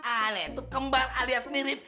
anak tuh kembar alias mirip